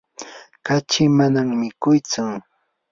kachi manam mikuytsu.